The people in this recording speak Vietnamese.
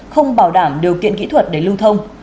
không bảo đảm điều kiện kỹ thuật để lưu thông